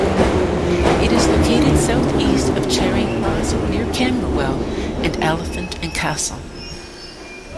It is located south east of Charing Cross, near Camberwell and Elephant and Castle.